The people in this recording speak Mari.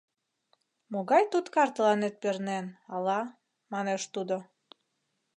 — Могай туткар тыланет пернен, ала, — манеш тудо.